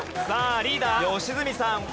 さあリーダー良純さん。